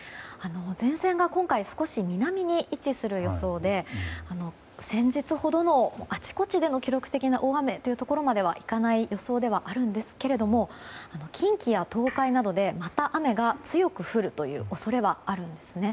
前線が今回、南に位置する予想で先日ほどの、あちこちでの記録的な大雨というところまではいかない予想ではあるんですが近畿や東海などで、また雨が強く降る恐れはあるんです。